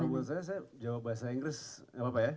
kalau menurut saya saya jawab bahasa inggris gak apa apa ya